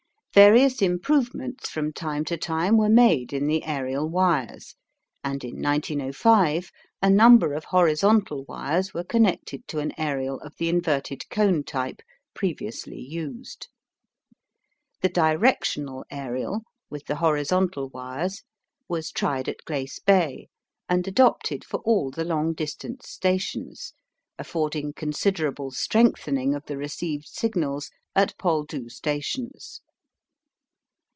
Various improvements from time to time were made in the aerial wires, and in 1905 a number of horizontal wires were connected to an aerial of the inverted cone type previously used. The directional aerial with the horizontal wires was tried at Glace Bay, and adopted for all the long distance stations, affording considerable strengthening of the received signals at Poldhu stations.